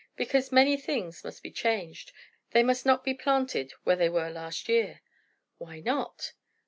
"Because many things must be changed. They must not be planted where they were last year." "Why not?"